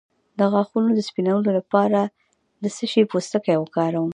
د غاښونو د سپینولو لپاره د څه شي پوستکی وکاروم؟